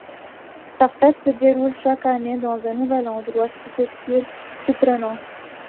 Cette fête se déroule chaque année dans un nouvel endroit, si possible surprenant.